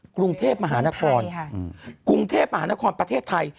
กรุงเทพมหานครประเทศไทย